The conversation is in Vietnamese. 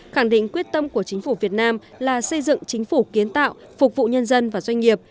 khẳng định quyết tâm của chính phủ việt nam là xây dựng chính phủ kiến tạo phục vụ nhân dân và doanh nghiệp